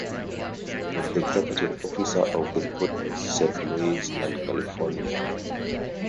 He then was executive officer of the cruisers "Saint Louis" and "California".